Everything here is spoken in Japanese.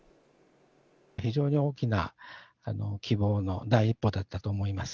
非常に大きな希望の第一歩だったと思います。